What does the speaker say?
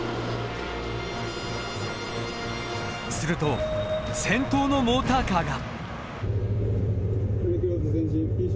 すると先頭のモーターカーが。